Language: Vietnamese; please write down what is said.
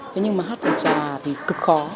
thế nhưng mà hát phòng trà thì cực khó